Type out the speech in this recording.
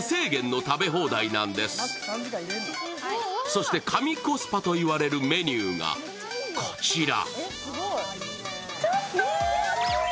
そして神コスパと言われるメニューがこちら。